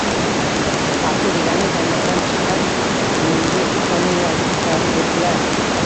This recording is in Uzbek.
Paxta degani jannatdan chiqqan, menga ishoninglar, tasadduqlar.